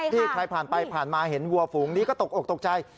ที่ใครผ่านไปผ่านมาเห็นวัวฝูงนี้ก็ตกอกตกใจ